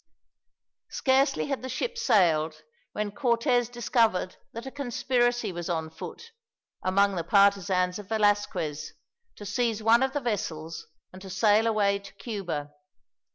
Scarcely had the ship sailed when Cortez discovered that a conspiracy was on foot, among the partisans of Velasquez, to seize one of the vessels and to sail away to Cuba.